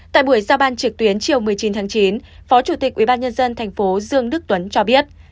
tại buổi giao ban trực tuyến chiều một mươi chín tháng chín phó chủ tịch ubnd tp dương đức tuấn cho biết